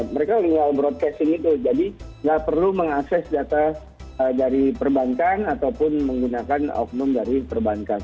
mereka tinggal broadcasting itu jadi nggak perlu mengakses data dari perbankan ataupun menggunakan oknum dari perbankan